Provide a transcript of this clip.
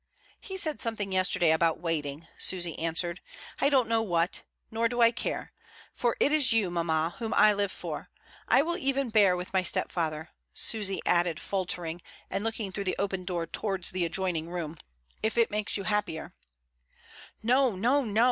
"He said something yesterday about waiting," Susy answered, "I don't know what, nor do I care. For it is you, mamma, whom I live for. I will even bear with my stepfather," Susy added faltering, and looking through the open door towards the adjoin ing room, "if it makes you happier." "No, no, no!